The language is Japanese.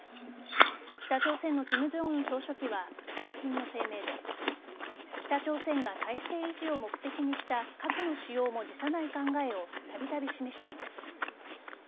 北朝鮮の金正恩総書記は最近の声明で北朝鮮が体制維持を目的にした核の使用も辞さない考えをたびたび示しています。